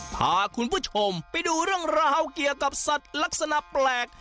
พาคุณผู้ชมไปดูเรื่องราวเกี่ยวกับสัตว์ลักษณะแปลก